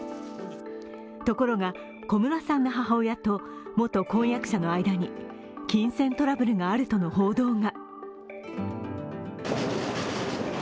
ところが、小室さんの母親と元婚約者の間に金銭トラブルがあるとの報道が。